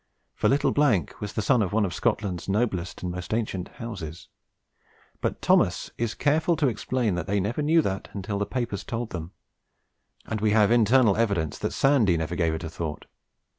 For 'little ' was the son of one of Scotland's noblest and most ancient houses; but Thomas is careful to explain that they never knew that until the papers told them, and we have internal evidence that Sandy never gave it a thought.